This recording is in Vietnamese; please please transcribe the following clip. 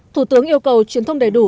thủ tướng yêu cầu truyền thông đầy đủ